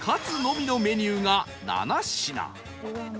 つのみのメニューが７品